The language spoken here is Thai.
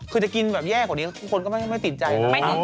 คือกินแย่กว่านี้คนก็ไม่ติดใจ